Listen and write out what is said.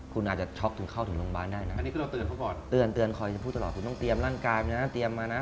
คุณต้องซ้อมมานะ